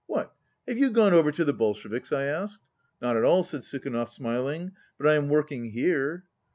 "What, have you gone over to the Bolsheviks?" I asked. "Not at all," said Sukhanov, smiling, "but I am working here."